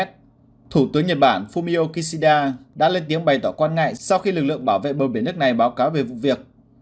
thủ tướng nhật bản fumio kishida đã lên tiếng bày tỏ quan ngại sau khi lực lượng bảo vệ bờ biển nước này báo cáo về vụ việc